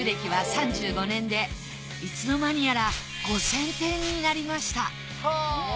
いつの間にやら５，０００点になりました